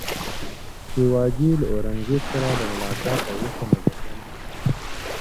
شیوا جي له اورنګزېب سره له ملاقاته وروسته نظربند شو.